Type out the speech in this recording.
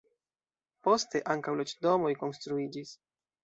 Poste ankaŭ loĝdomoj konstruiĝis.